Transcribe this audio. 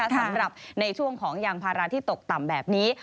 สำหรับในช่วงของยางพาราที่ตกต่ำแบบนี้